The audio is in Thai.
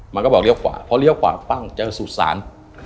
มันก็บอกเลี้ยขวาพอเลี้ยวขวาปั้งเจอสุสาน